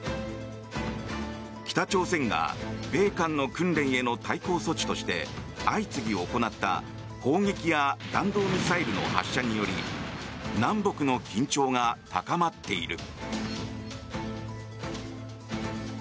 北朝鮮が米韓の訓練への対抗措置として相次ぎ行った砲撃や弾道ミサイルの発射により南北の緊張が高まっている。